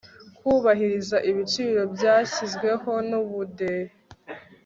kubahiriza ibiciro byashyizweho nubudehe